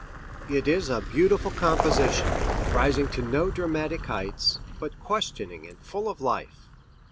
It is a beautiful composition, rising to no dramatic heights, but questioning and full of life.